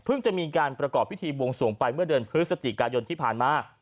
จะมีการประกอบพิธีบวงสวงไปเมื่อเดือนพฤศจิกายนที่ผ่านมา